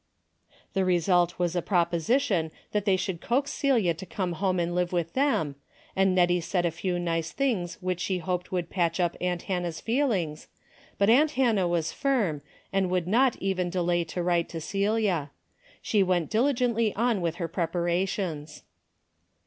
The result was a proposition that they should coax Celia to come home and live with them, and l^ettie said a few nice things which she hoped would patch up aunt Hannah's feelings, but aunt Hannah was firm, and would not even delay to write to Celia. She went dili gently on with her preparations.